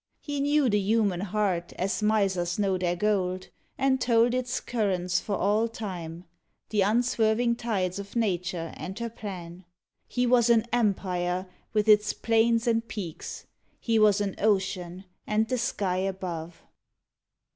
He knew the human heart as misers know Their gold, and told its currents for all Time The unswerving tides of Nature and her plan. He was an empire, with its plains and peaks. He was an ocean, and the sky above.